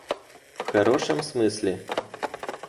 В хорошем смысле?